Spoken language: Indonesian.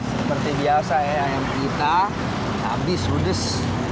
seperti biasa ayam kita habis rudes